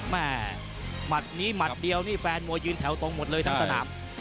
หมัดนี้หมัดเดียวนี่แฟนมวยยืนแถวตรงหมดเลยทั้งสนาม